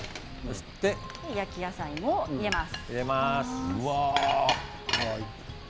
焼き野菜も入れます。